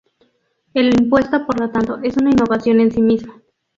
El impuesto por lo tanto, es una innovación en sí mismo.